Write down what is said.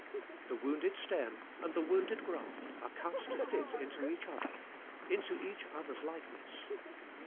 The wounded stem and the wounded graft are cut to fit into each other, into each other's likeness.